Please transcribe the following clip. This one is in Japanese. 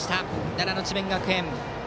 奈良の智弁学園。